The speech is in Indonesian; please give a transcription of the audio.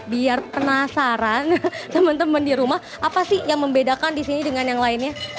biar penasaran temen temen di rumah apa sih yang membedakan di sini dengan yang lainnya